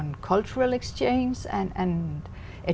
điều đó không phải